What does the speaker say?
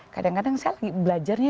kadang kadang saya lagi belajarnya